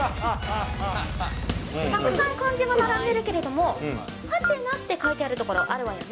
たくさん漢字が並んでるけれども、ハテナって書いてある所、あるわよね。